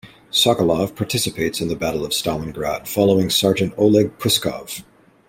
Sokolov participates in The Battle of Stalingrad following Sergeant Oleg Puskov.